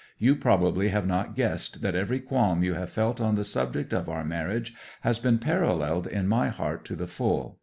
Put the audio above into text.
You probably have not guessed that every qualm you have felt on the subject of our marriage has been paralleled in my heart to the full.